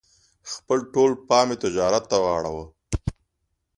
خپل ټول پام یې تجارت ته واړاوه.